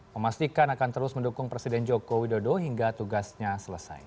memastikan akan terus mendukung presiden joko widodo hingga tugasnya selesai